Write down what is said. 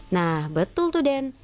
nah betul tuh den